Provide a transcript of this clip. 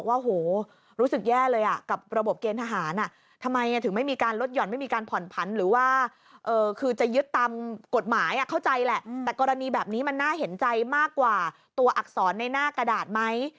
ว่านี่แบบนี้มันน่าเห็นใจมากกว่าตัวอักษรในหน้ากระดาษไหม